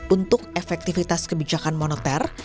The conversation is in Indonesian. untuk efektivitas kebijakan moneter